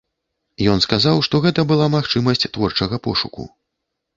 Ён сказаў, што гэта была магчымасць творчага пошуку.